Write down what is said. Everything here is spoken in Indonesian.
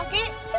aku mau pergi